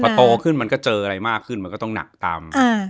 พอโตขึ้นมันก็เจออะไรมากขึ้นมันก็ต้องหนักตาม